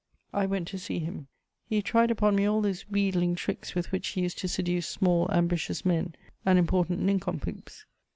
I went to see him; he tried upon me all those wheedling tricks with which he used to seduce small ambitious men and important nincompoops.